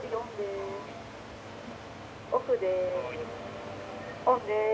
オフです。